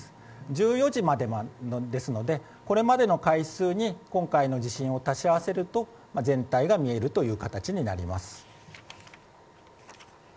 １４時までですのでこれまでの回数に今回の地震を足し合わせると全体が見えるという形になります。